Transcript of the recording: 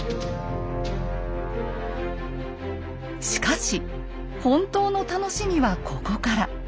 しかし本当の楽しみはここから。